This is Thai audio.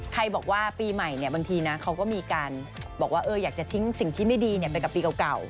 ใครบอกว่าปีใหม่บางทีนะเขาก็มีการบอกว่าอยากจะทิ้งสิ่งที่ไม่ดีไปกับปีเก่า